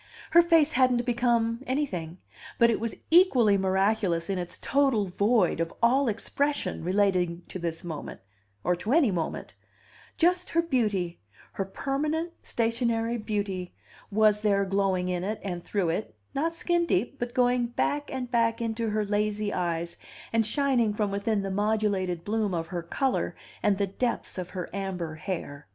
Her face hadn't become anything; but it was equally miraculous in its total void of all expression relating to this moment, or to any moment; just her beauty, her permanent stationary beauty, was there glowing in it and through it, not skin deep, but going back and back into her lazy eyes, and shining from within the modulated bloom of her color and the depths of her amber hair.